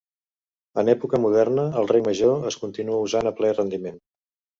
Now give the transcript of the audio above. En època moderna el rec major es continua usant a ple rendiment.